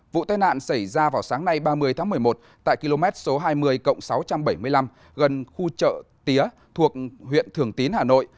vụ tai nạn xảy ra vào sáng nay ba mươi tháng một mươi một tại km số hai mươi cộng sáu trăm bảy mươi năm gần khu chợ tía thuộc huyện thường tín hà nội